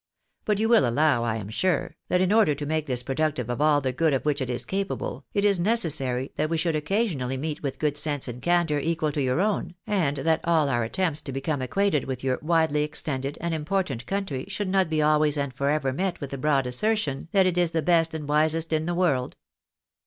But you will allow, I am sure, that, in order to make this productive of all the good of which it is capable, it is necessary that we should occasionally meet with good sense and candour equal to your own, and that all our attempts to become acquainted with your widely extended and important country should not be always and for ever met with the broad assertion —■ that it is the best and wisest in the world.